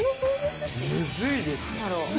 むずいですね。